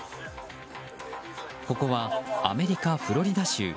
ここはアメリカ・フロリダ州。